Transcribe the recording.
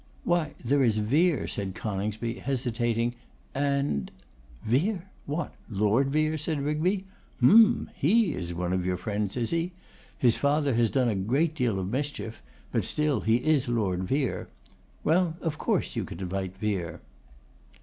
'Why, there is Vere,' said Coningsby, hesitating, 'and ' 'Vere! What Lord Vere?' said Rigby. 'Hum! He is one of your friends, is he? His father has done a great deal of mischief, but still he is Lord Vere. Well, of course, you can invite Vere.